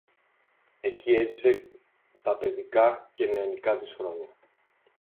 Εκεί έζησε τα παιδικά και νεανικά της χρόνια